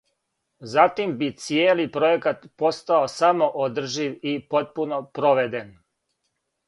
Затим би цијели пројекат постао самоодржив и потпуно проведен.